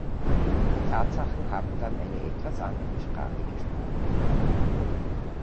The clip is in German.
Die Tatsachen haben dann eine etwas andere Sprache gesprochen.